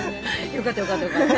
よかったよかったよかった。